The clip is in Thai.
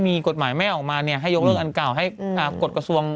ปลูกมาวันนี้ก็คือยังลดน้ำต้นไม้อยู่